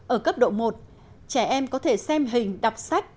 ở cấp độ một trẻ em có thể xem hình đọc sách